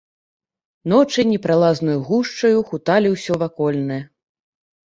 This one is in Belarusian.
Ночы непралазнаю гушчаю хуталі ўсё вакольнае.